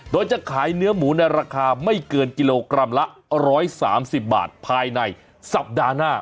โดยจะขายเนื้อหมูในราคาไม่เกินกิโลกรัมละ๑๓๐บาทภายในสัปดาห์หน้า